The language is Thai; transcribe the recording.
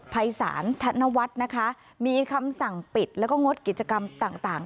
ภัยศาลธนวัฒน์นะคะมีคำสั่งปิดแล้วก็งดกิจกรรมต่าง